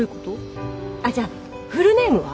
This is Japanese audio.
あじゃあフルネームは？